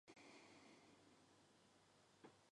目前所有的矿山企业都在应用。